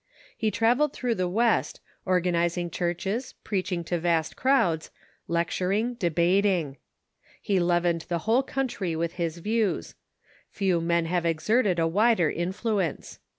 He travelled through the West, organizing churches, preaching to vast crowds, lectur ing, debating. He leavened the whole country with his views. Few men have exerted a wider influence.